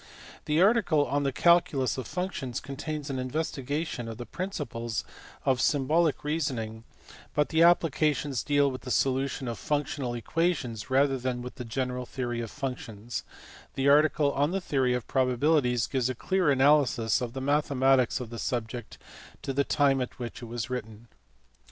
The article on the calculus of functions contains an investigation of the principles of symbolic reason ing, but the applications deal with the solution of functional equations rather than with the general theory of functions : the article on the theory of probabilities gives a clear analysis of the mathematics of the subject to the time at which it was written.